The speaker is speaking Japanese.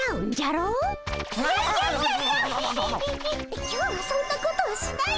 今日はそんなことはしないよぜったい。